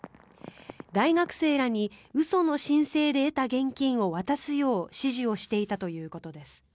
大学生らに嘘の申請で得た現金を渡すよう指示をしていたということです。